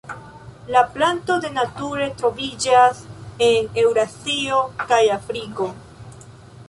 La planto de nature troviĝas en Eŭrazio kaj Afriko.